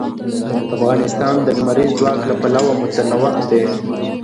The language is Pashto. افغانستان د لمریز ځواک له پلوه متنوع دی.